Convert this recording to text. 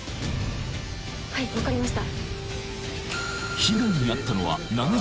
はい分かりました。